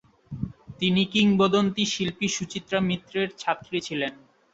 তিনি কিংবদন্তি শিল্পী সুচিত্রা মিত্রের ছাত্রী ছিলেন।